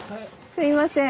すいません。